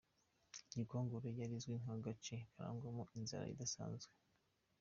Gikongoro yari izwi nk’agace karangwamo inzara idasanzwe.